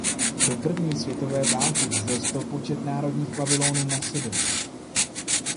Do první světové války vzrostl počet národních pavilonů na sedm.